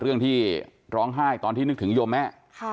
เรื่องที่ร้องไห้ตอนที่นึกถึงโยมแม่